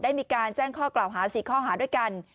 มีการแจ้งข้อกล่าวหา๔ข้อหาด้วยกัน